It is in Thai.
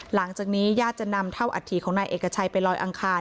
หลังจากนี้ญาติจะนำเท่าอัฐิของนายเอกชัยไปลอยอังคาร